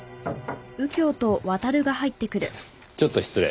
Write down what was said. ちょっと失礼。